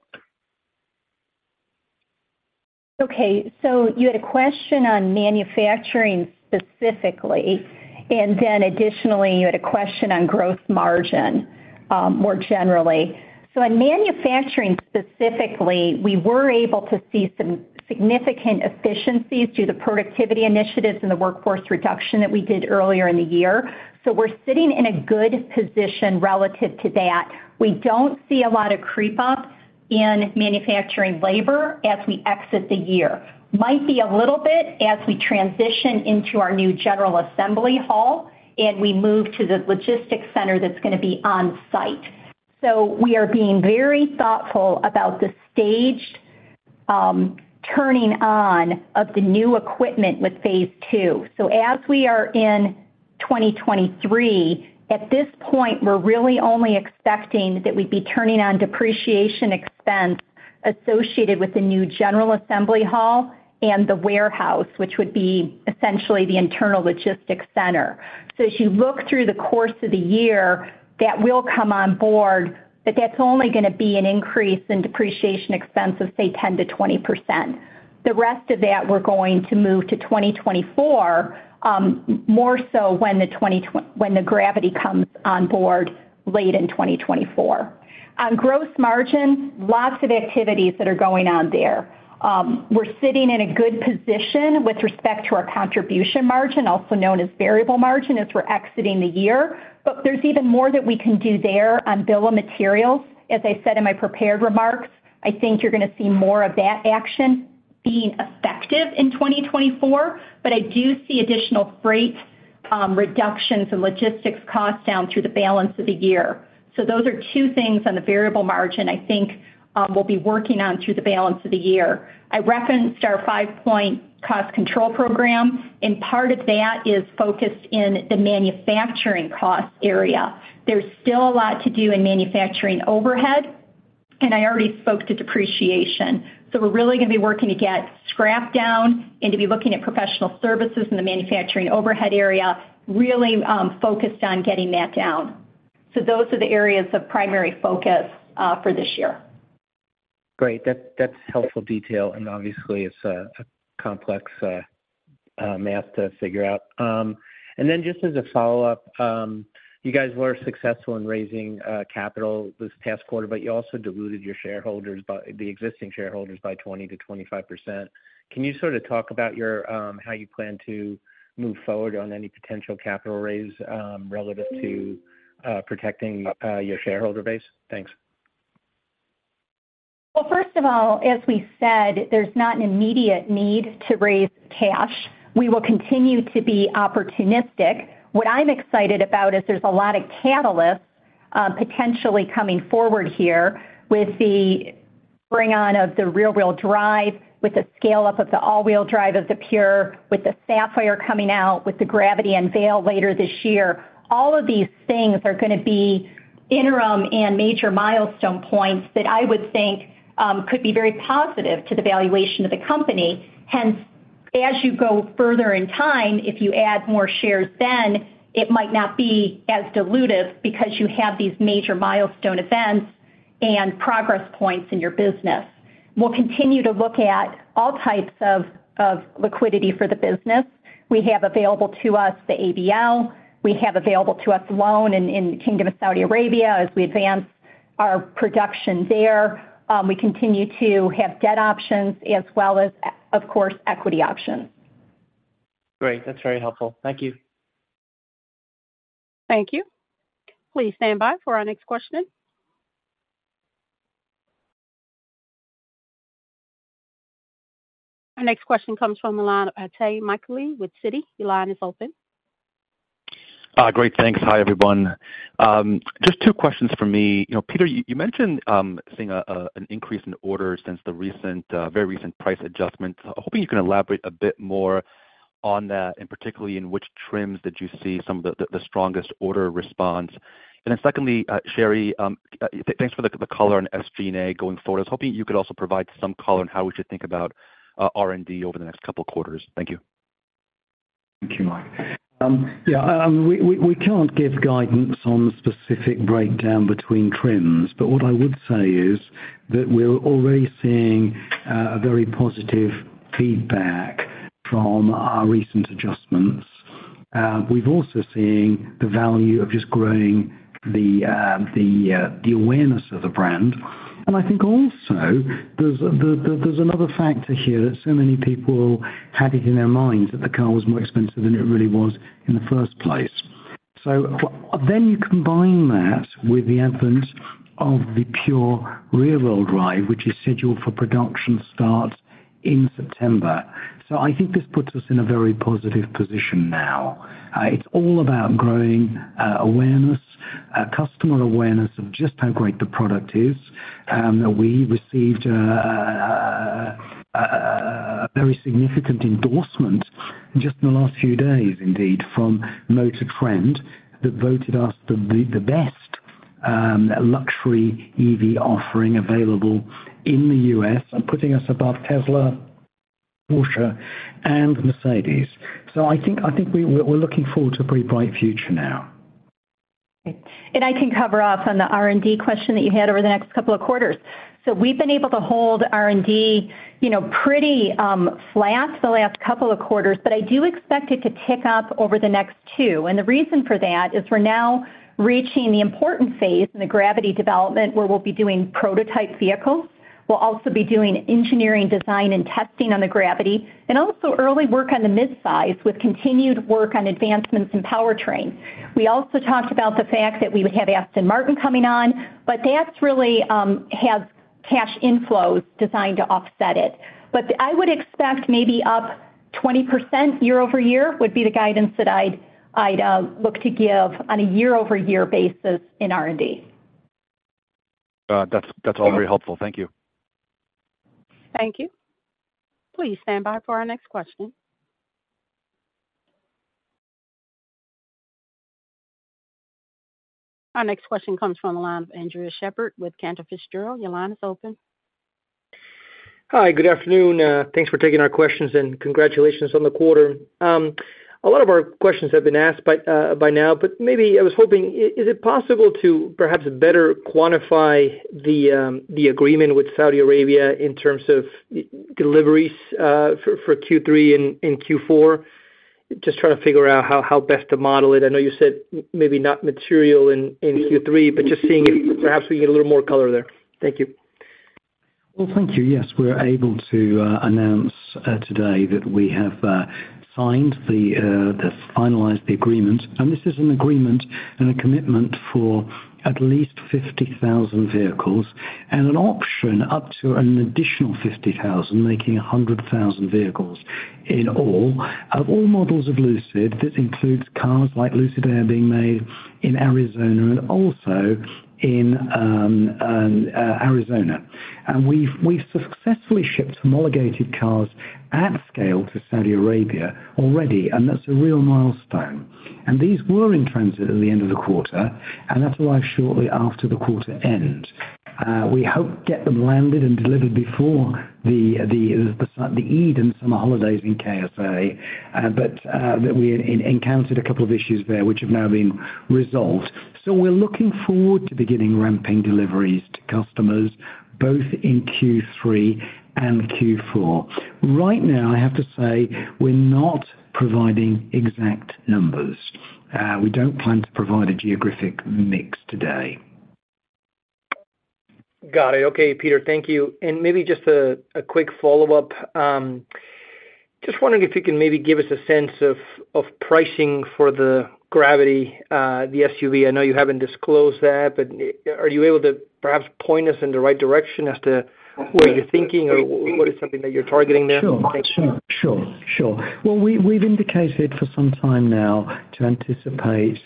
Okay, you had a question on manufacturing specifically, and then additionally, you had a question on growth margin more generally. In manufacturing specifically, we were able to see some significant efficiencies through the productivity initiatives and the workforce reduction that we did earlier in the year. We're sitting in a good position relative to that. We don't see a lot of creep up in manufacturing labor as we exit the year. Might be a little bit as we transition into our new general assembly hall, and we move to the logistics center that's gonna be on site. We are being very thoughtful about the staged turning on of the new equipment with phase two. As we are in 2023, at this point, we're really only expecting that we'd be turning on depreciation expense associated with the new general assembly hall and the warehouse, which would be essentially the internal logistics center. As you look through the course of the year, that will come on board, but that's only gonna be an increase in depreciation expense of, say, 10%-20%. The rest of that, we're going to move to 2024, more so when the Gravity comes on board late in 2024. On gross margin, lots of activities that are going on there. We're sitting in a good position with respect to our contribution margin, also known as variable margin, as we're exiting the year. There's even more that we can do there on bill of materials. As I said in my prepared remarks, I think you're gonna see more of that action being effective in 2024, I do see additional freight reductions in logistics costs down through the balance of the year. Those are two things on the variable margin I think, we'll be working on through the balance of the year. I referenced our 5-point cost control program, part of that is focused in the manufacturing cost area. There's still a lot to do in manufacturing overhead, I already spoke to depreciation. We're really gonna be working to get scrap down and to be looking at professional services in the manufacturing overhead area, really focused on getting that down. Those are the areas of primary focus for this year. Great. That's, that's helpful detail, and obviously, it's a complex math to figure out. Then just as a follow-up, you guys were successful in raising capital this past quarter, but you also diluted your shareholders by-- the existing shareholders by 20%-25%. Can you sort of talk about how you plan to move forward on any potential capital raise relative to protecting your shareholder base? Thanks. Well, first of all, as we said, there's not an immediate need to raise cash. We will continue to be opportunistic. What I'm excited about is there's a lot of catalysts potentially coming forward here with the bring on of the rear-wheel drive, with the scale-up of the all-wheel drive of the Pure, with the Sapphire coming out, with the Gravity unveil later this year. All of these things are gonna be interim and major milestone points that I would think could be very positive to the valuation of the company. As you go further in time, if you add more shares then, it might not be as dilutive because you have these major milestone events and progress points in your business. We'll continue to look at all types of liquidity for the business. We have available to us the ATM. We have available to us loan in, in the Kingdom of Saudi Arabia as we advance our production there. We continue to have debt options as well as, of course, equity options. Great. That's very helpful. Thank you. Thank you. Please stand by for our next question. Our next question comes from the line of Itay Michaeli with Citi. Your line is open. Great. Thanks. Hi, everyone. Just 2 questions from me. You know, Peter, you mentioned seeing an increase in orders since the recent, very recent price adjustment. I'm hoping you can elaborate a bit more on that, particularly, in which trims did you see some of the strongest order response? Secondly, Sherry, thanks for the color on SG&A going forward. I was hoping you could also provide some color on how we should think about R&D over the next couple of quarters. Thank you. Thank you, Itay. We, we, we can't give guidance on the specific breakdown between trims, but what I would say is that we're already seeing a very positive feedback from our recent adjustments. We've also seen the value of just growing the awareness of the brand. I think also, there's, there, there's another factor here that so many people had it in their minds that the car was more expensive than it really was in the first place. Then you combine that with the entrance of the Pure rear wheel drive, which is scheduled for production start in September. I think this puts us in a very positive position now. It's all about growing awareness, customer awareness of just how great the product is. We received a very significant endorsement just in the last few days, indeed, from MotorTrend, that voted us the best luxury EV offering available in the US, putting us above Tesla, Porsche, and Mercedes. I think, I think we're looking forward to a pretty bright future now. I can cover off on the R&D question that you had over the next couple of quarters. We've been able to hold R&D, you know, pretty flat the last couple of quarters, but I do expect it to tick up over the next two. The reason for that is we're now reaching the important phase in the Gravity development, where we'll be doing prototype vehicles. We'll also be doing engineering, design, and testing on the Gravity, and also early work on the mid-size with continued work on advancements in powertrain. We also talked about the fact that we would have Aston Martin coming on, but that's really has cash inflows designed to offset it. I would expect maybe up 20% year-over-year would be the guidance that I'd, I'd look to give on a year-over-year basis in R&D. That's, that's all very helpful. Thank you. Thank you. Please stand by for our next question. Our next question comes from the line of Andres Sheppard with Cantor Fitzgerald. Your line is open. Hi, good afternoon. Thanks for taking our questions, and congratulations on the quarter. A lot of our questions have been asked by now, but maybe I was hoping, is it possible to perhaps better quantify the agreement with Saudi Arabia in terms of deliveries for Q3 and Q4? Just trying to figure out how best to model it. I know you said maybe not material in Q3, but just seeing if perhaps we can get a little more color there. Thank you. Well, thank thank you. Yes, we're able to announce today that we have signed the finalized the agreement. This is an agreement and a commitment for at least 50,000 vehicles and an option up to an additional 50,000, making 100,000 vehicles in all. Of all models of Lucid, this includes cars like Lucid Air being made in Arizona and also in Arizona. We've, we've successfully shipped homologated cars at scale to Saudi Arabia already, and that's a real milestone. These were in transit at the end of the quarter, and that arrived shortly after the quarter end. We hope to get them landed and delivered before the Eid and summer holidays in KSA, but we encountered a couple of issues there which have now been resolved. We're looking forward to beginning ramping deliveries to customers, both in Q3 and Q4. Right now, I have to say, we're not providing exact numbers. We don't plan to provide a geographic mix today. Got it. Okay, Peter, thank you. Maybe just a, a quick follow-up. Just wondering if you can maybe give us a sense of pricing for the Gravity, the SUV. I know you haven't disclosed that, but are you able to perhaps point us in the right direction as to what you're thinking or what is something that you're targeting there? Sure, sure. Well, we've indicated for some time now to anticipate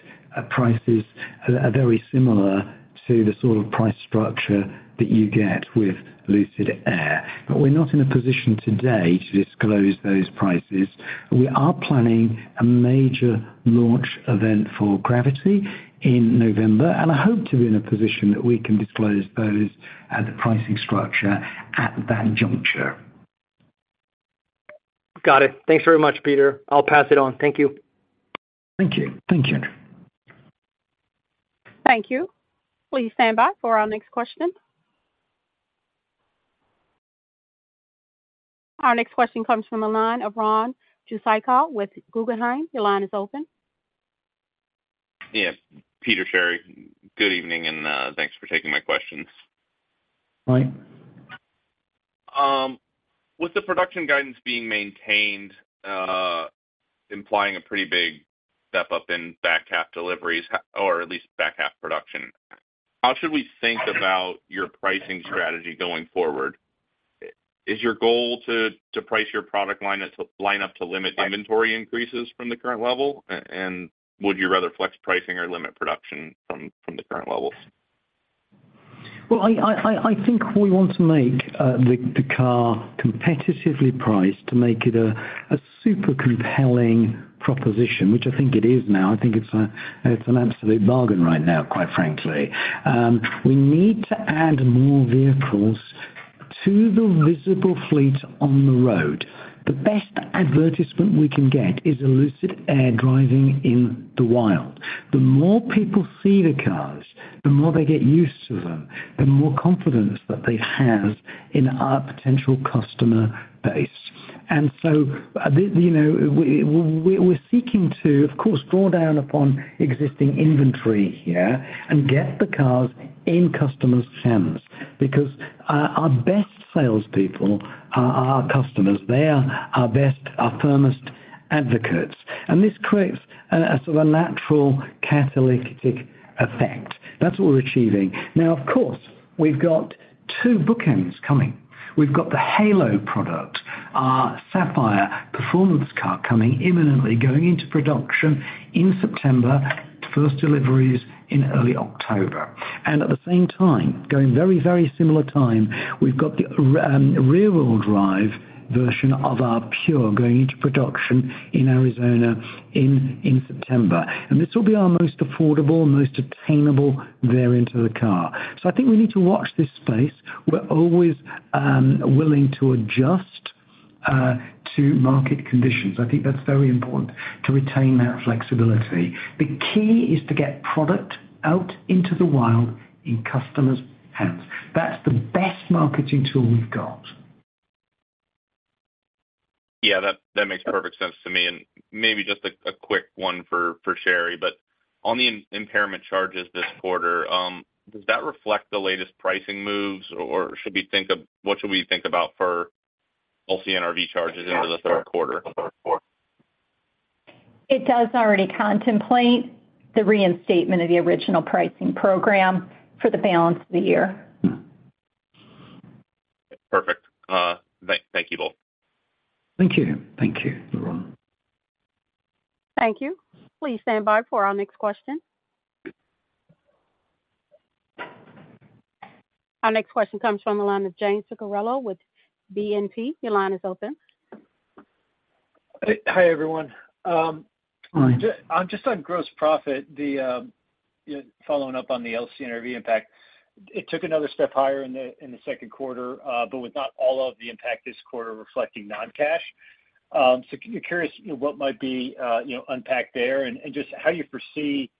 prices that are very similar to the sort of price structure that you get with Lucid Air. But we're not in a position today to disclose those prices. We are planning a major launch event for Gravity in November, and I hope to be in a position that we can disclose those as a pricing structure at that juncture. Got it. Thanks very much, Peter. I'll pass it on. Thank you. Thank you. Thank you. Thank you. Please stand by for our next question. Our next question comes from the line of Ronald Jewsikow with Guggenheim. Your line is open. Yes, Peter, Sherry, good evening, and, thanks for taking my questions. Hi. With the production guidance being maintained, implying a pretty big step up in back half deliveries, or at least back half production, how should we think about your pricing strategy going forward? Is your goal to, to price your product line up, line up to limit inventory increases from the current level? Would you rather flex pricing or limit production from, from the current levels? Well, I think we want to make the car competitively priced to make it a super compelling proposition, which I think it is now. I think it's an absolute bargain right now, quite frankly. We need to add more vehicles to the visible fleet on the road. The best advertisement we can get is a Lucid Air driving in the wild. The more people see the cars, the more they get used to them, the more confidence that they have in our potential customer base. You know, we're seeking to, of course, draw down upon existing inventory here and get the cars in customers' hands, because our best salespeople are our customers. They are our best, our firmest advocates. This creates a sort of natural catalytic effect. That's what we're achieving. Now, of course, we've got two bookends coming. We've got the Halo product, our Sapphire performance car coming imminently, going into production in September, first deliveries in early October. At the same time, going very, very similar time, we've got the rear-wheel drive version of our Pure going into production in Arizona in September. This will be our most affordable, most attainable variant of the car. I think we need to watch this space. We're always willing to adjust to market conditions. That's very important to retain that flexibility. The key is to get product out into the wild in customers' hands. That's the best marketing tool we've got. Yeah, that, that makes perfect sense to me. Maybe just a quick one for Sherry, on the impairment charges this quarter, does that reflect the latest pricing moves, or what should we think about for LCNRV charges into the Q3? It does already contemplate the reinstatement of the original pricing program for the balance of the year. Perfect. Thank, thank you both. Thank you. Thank you, Ron. Thank you. Please stand by for our next question. Our next question comes from the line of James Picariello with BNP. Your line is open. Hi, everyone. Hi. Just on gross profit, following up on the LCNRV impact, it took another step higher in the Q2, but with not all of the impact this quarter reflecting non-cash. Curious, you know, what might be, you know, unpacked there, and just how you foresee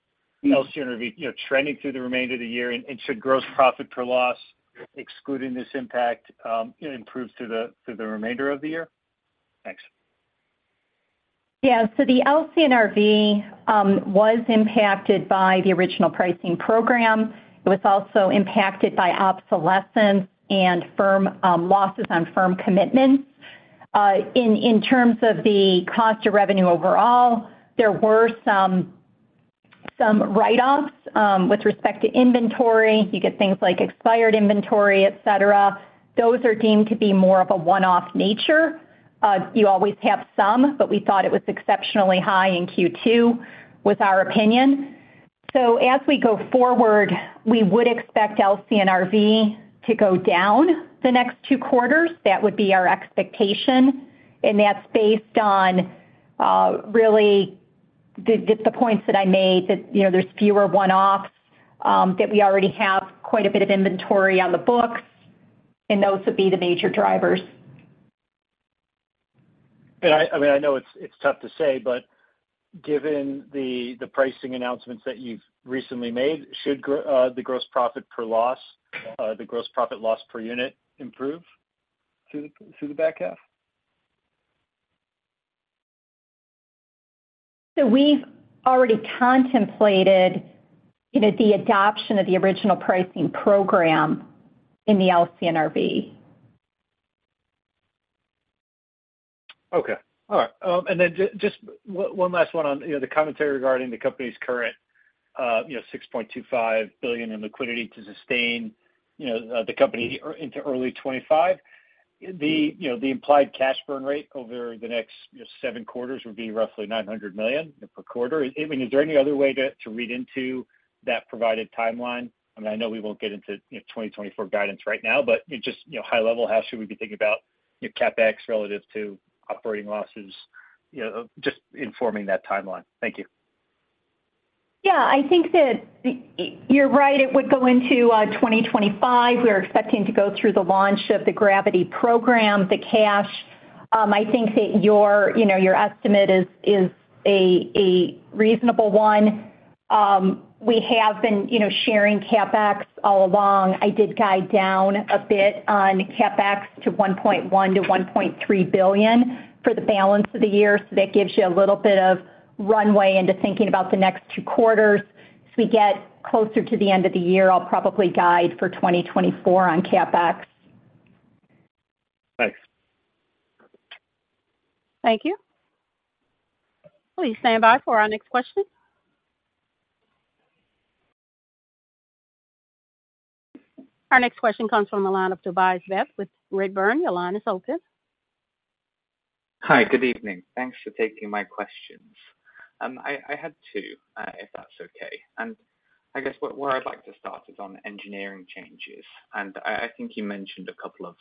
LCNRV, you know, trending through the remainder of the year, and should gross profit per loss, excluding this impact, improve through the remainder of the year? Thanks.... Yeah, the LCNRV was impacted by the original pricing program. It was also impacted by obsolescence and firm losses on firm commitments. In, in terms of the cost of revenue overall, there were some, some write-offs with respect to inventory. You get things like expired inventory, et cetera. Those are deemed to be more of a one-off nature. You always have some, but we thought it was exceptionally high in Q2, was our opinion. As we go forward, we would expect LCNRV to go down the next two quarters. That would be our expectation, and that's based on really the, the, the points that I made, that, you know, there's fewer one-offs that we already have quite a bit of inventory on the books, and those would be the major drivers. I, I mean, I know it's, it's tough to say, but given the, the pricing announcements that you've recently made, should the gross profit per loss, the gross profit loss per unit improve through the back half? we've already contemplated, you know, the adoption of the original pricing program in the LCNRV. Okay, all right. Then just one, one last one on, you know, the commentary regarding the company's current, you know, $6.25 billion in liquidity to sustain, you know, the company ear... Into early 2025. The, you know, the implied cash burn rate over the next, you know, seven quarters would be roughly $900 million per quarter. I mean, is there any other way to, to read into that provided timeline? I mean, I know we won't get into, you know, 2024 guidance right now, but just, you know, high level, how should we be thinking about your CapEx relative to operating losses, you know, just informing that timeline? Thank you. Yeah, I think that you're right, it would go into 2025. We're expecting to go through the launch of the Gravity program, the cash. I think that your, you know, your estimate is a reasonable one. We have been, you know, sharing CapEx all along. I did guide down a bit on CapEx to $1.1 billion-$1.3 billion for the balance of the year, so that gives you a little bit of runway into thinking about the next two quarters. As we get closer to the end of the year, I'll probably guide for 2024 on CapEx. Thanks. Thank you. Please stand by for our next question. Our next question comes from the line of Tobias Beith with Redburn. Your line is open. Hi, good evening. Thanks for taking my questions. I, I had 2, if that's okay. I guess where, where I'd like to start is on engineering changes. I, I think you mentioned a couple of,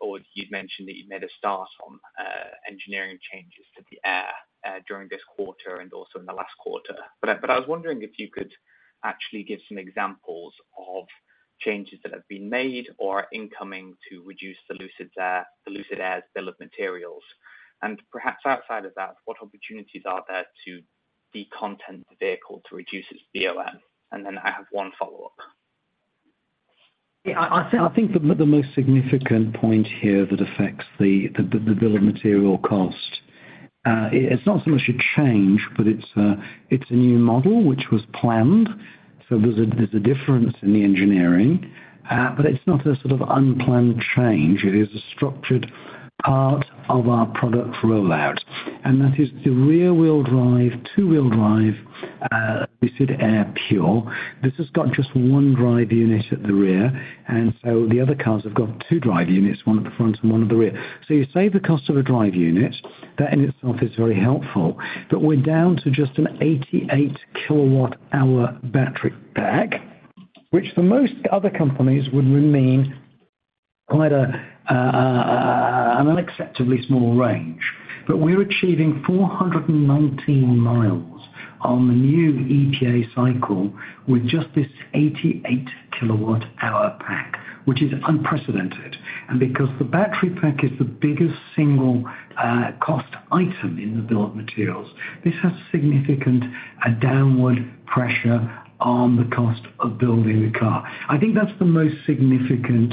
or you'd mentioned that you'd made a start on engineering changes to the Lucid Air during this quarter and also in the last quarter. I, but I was wondering if you could actually give some examples of changes that have been made or are incoming to reduce the Lucid Air, the Lucid Air's BOM. Perhaps outside of that, what opportunities are there to decontent the vehicle to reduce its BOM? Then I have 1 follow-up. Yeah, I, I think, I think the, the most significant point here that affects the, the, the bill of material cost, it's not so much a change, but it's a, it's a new model which was planned, so there's a, there's a difference in the engineering. It's not a sort of unplanned change. It is a structured part of our product rollout, and that is the rear-wheel drive, two-wheel drive, Lucid Air Pure. This has got just one drive unit at the rear, and so the other cars have got two drive units, one at the front and one at the rear. You save the cost of a drive unit. That in itself is very helpful. We're down to just an 88 kWh battery pack, which for most other companies would remain quite a, an unacceptably small range. We're achieving 419 miles on the new EPA cycle with just this 88 kWh pack, which is unprecedented. Because the battery pack is the biggest single cost item in the bill of materials, this has significant, a downward pressure on the cost of building the car. I think that's the most significant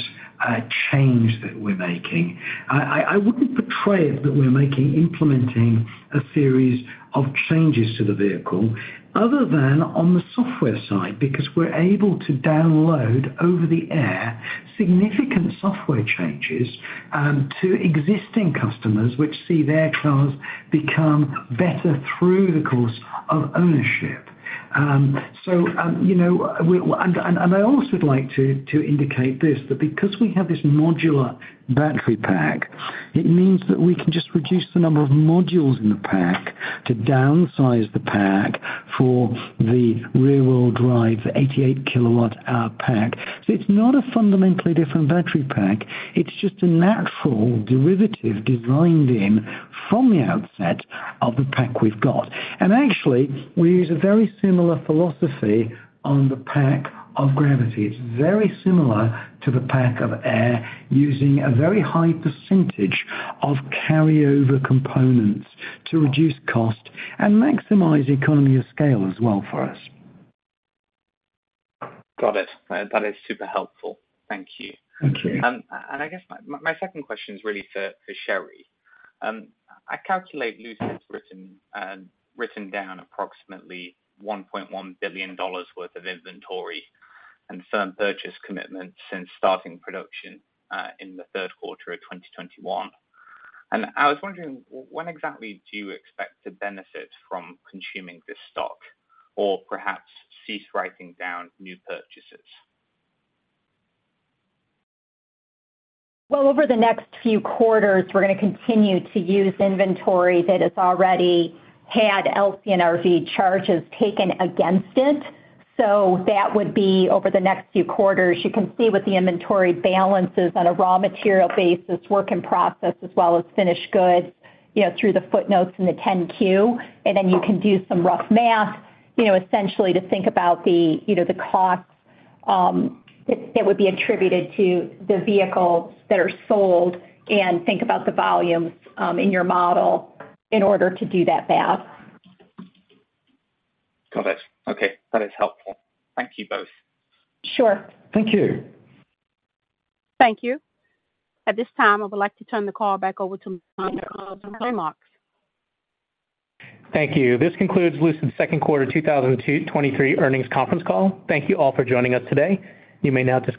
change that we're making. I, I, I wouldn't portray it, that we're making, implementing a series of changes to the vehicle, other than on the software side, because we're able to download over the air, significant software changes to existing customers, which see their cars become better through the course of ownership. you know, and, and, and I also would like to indicate this, that because we have this modular battery pack, it means that we can just reduce the number of modules in the pack to downsize the pack for the rear-wheel drive, 88 kilowatt hour pack. It's not a fundamentally different battery pack, it's just a natural derivative designed in from the outset of the pack we've got. Actually, we use a very similar philosophy on the pack of Gravity. It's very similar to the pack of Air, using a very high % of carryover components to reduce cost and maximize economy of scale as well for us. Got it. That is super helpful. Thank you. Thank you. I guess my, my second question is really for, for Sherry. I calculate Lucid has written down approximately $1.1 billion worth of inventory and firm purchase commitments since starting production in the Q3 of 2021. I was wondering, when exactly do you expect to benefit from consuming this stock or perhaps cease writing down new purchases? Over the next few quarters, we're gonna continue to use inventory that has already had LCNRV charges taken against it. That would be over the next few quarters. You can see what the inventory balance is on a raw material basis, work in process, as well as finished goods, you know, through the footnotes in the 10-Q, and then you can do some rough math, you know, essentially to think about the, you know, the costs that, that would be attributed to the vehicles that are sold and think about the volumes in your model in order to do that math. Got it. Okay, that is helpful. Thank you both. Sure. Thank you. Thank you. At this time, I would like to turn the call back over to Brian Marks. Thank you. This concludes Lucid's Q2 2023 earnings conference call. Thank you all for joining us today. You may now disconnect.